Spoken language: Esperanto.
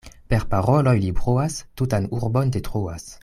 Per paroloj li bruas, tutan urbon detruas.